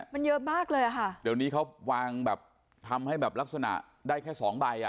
มันเยอะมากเลยอ่ะค่ะเดี๋ยวนี้เขาวางแบบทำให้แบบลักษณะได้แค่สองใบอ่ะ